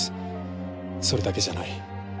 それだけじゃない。